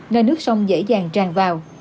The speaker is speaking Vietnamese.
nơi nước sông dễ dàng tràn vào